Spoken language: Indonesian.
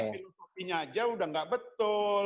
filosofinya aja udah nggak betul